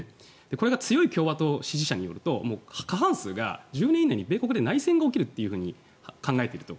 これが強い共和党支持者によると過半数が１０年以内に米国で内戦が起きると考えていると。